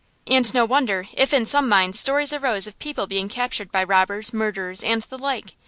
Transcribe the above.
And no wonder if in some minds stories arose of people being captured by robbers, murderers, and the like.